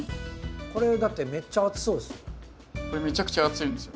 これだってめっちゃ暑そうですよ。